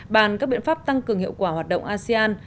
bàn các biện pháp tăng cường hiệu quả hoạt động asean